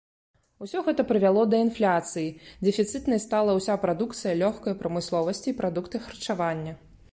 Усё гэта прывяло да інфляцыі, дэфіцытнай стала ўся прадукцыя лёгкай прамысловасці і прадукты харчавання.